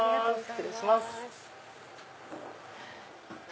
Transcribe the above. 失礼します。